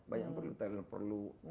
banyak yang perlu